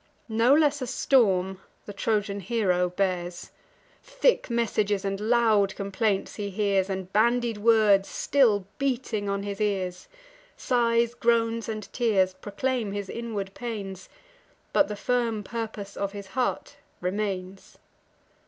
No less a storm the Trojan hero bears; Thick messages and loud complaints he hears, And bandied words, still beating on his ears. Sighs, groans, and tears proclaim his inward pains; But the firm purpose of his heart remains.